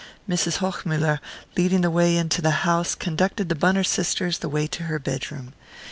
Mrs. Hochmuller, leading the way into the house, conducted the Bunner sisters the way to her bedroom.